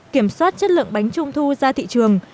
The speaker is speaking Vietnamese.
kiểm soát chất lượng bánh trung thu ra thị trường